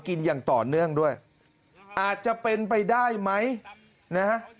อย่างต่อเนื่องด้วยอาจจะเป็นไปได้ไหมนะฮะ